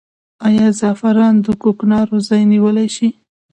آیا زعفران د کوکنارو ځای نیولی شي؟